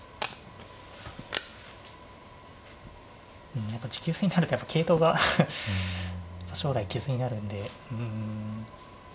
うんやっぱ持久戦になると桂頭が将来傷になるんで。